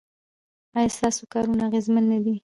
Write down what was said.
ایا ستاسو کارونه اغیزمن نه دي؟